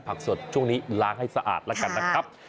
ผักสดช่วงนี้ล้างให้สะอาดแล้วกันนะครับ